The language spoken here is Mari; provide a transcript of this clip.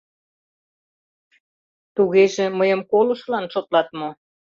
— Тугеже, мыйым колышылан шотлат мо?